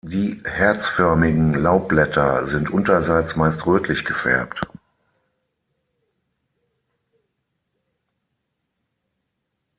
Die herzförmigen Laubblätter sind unterseits meist rötlich gefärbt.